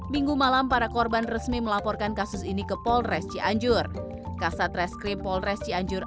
minggu malam para korban resmi melaporkan kasus ini ke polres cianjur kasat reskrim polres cianjur